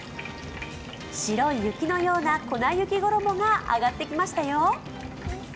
白い雪のような粉雪衣が揚がってきましたよ。